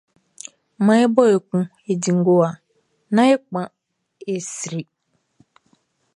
Maan e bo yo kun e di ngowa, nán e kpan, e sri.